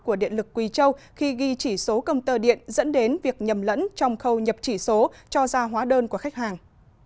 của điện lực quỳ châu khi ghi chỉ số công tơ điện dẫn đến việc nhầm lẫn trong khâu nhập chỉ số cho ra hóa đơn của khách hàng